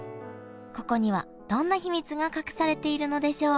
ここにはどんな秘密が隠されているのでしょう？